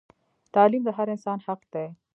تعلیم د هر انسان حق دی